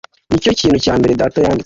Nicyo kintu cya mbere data yanditse